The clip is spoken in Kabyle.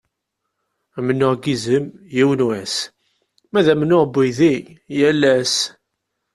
Amennuɣ n yizem yiwen wass, ma d amennuɣ n uydi yal ass.